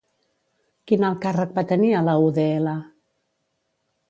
Quin alt càrrec va tenir a la UdL?